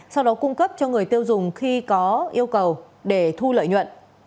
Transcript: sau đó cung cấp cho người tiêu dùng khi có yêu cầu để thu lợi nhuận